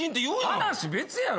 話別やろ。